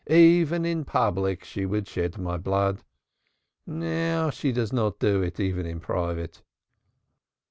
Even in public she would shed my blood. Now she does not do it even in private."